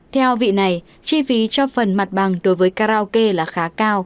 theo vị này chi phí cho phần mặt bằng đối với karaoke là khá cao